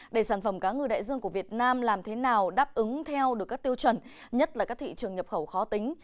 để sản phẩm cá ngừ đại dương của việt nam làm thế nào đáp ứng theo được các tiêu chuẩn nhất là các thị trường nhập khẩu khó tính